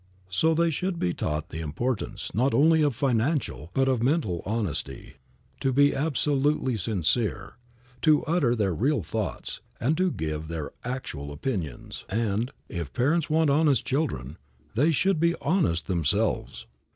So, they should be taught the importance, not only of financial, but of mental honesty; to be absolutely sincere; to utter their real thoughts, and to give their actual opinions; and, if parents want honest children, they should be honest themselves.